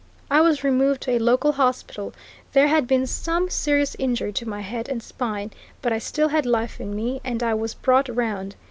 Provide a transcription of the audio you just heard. I was removed to a local hospital there had been some serious injury to my head and spine, but I still had life in me, and I was brought round.